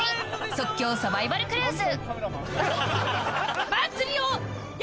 即興サバイバルクルーズ！